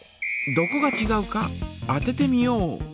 どこがちがうか当ててみよう！